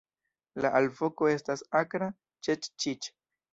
La alvoko estas akra "ĉek-ĉik".